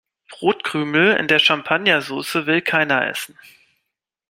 Brotkrümel in Champagnersoße will keiner essen.